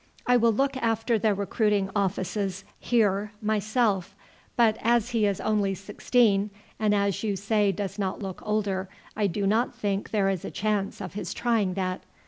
I will look after the recruiting offices here myself; but as he is only sixteen, and as you say does not look older, I do not think there is a chance of his trying that.